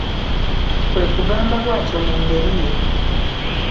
Kwe kugamba bw'atyo mu ngeri ye.